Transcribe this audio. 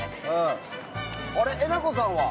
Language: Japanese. あれ、えなこさんは？